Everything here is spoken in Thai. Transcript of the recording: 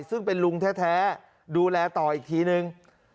ซึ่งเป็นลุงแท้ดูแลต่ออีกทีนึง